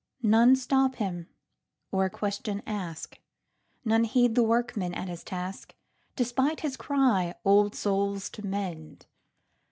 None stop him or a question ask; None heed the workman at his task. Despite his cry, "Old souls to mend!"